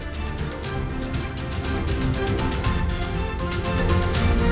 jangan lupa subscribe channel ini